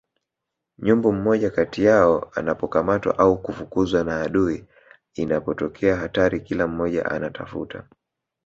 Nyumbu mmoja kati yao anapokamatwa au kufukuzwa na adui inapotokea hatari kila mmoja anatafuta